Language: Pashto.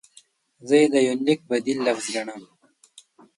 زه یې د یونلیک بدیل لفظ ګڼم.